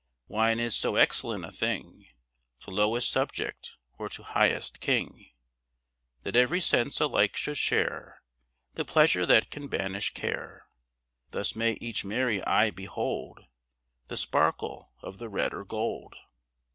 Wine is so excellent a thing To lowest subject, or to highest king, That every sense alike should share The pleasure that can banish care. Thus may each merry eye behold The sparkle of the red or gold.